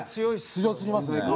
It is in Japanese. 強すぎますね。